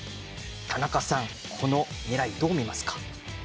田中さん、この狙いどう見ますか？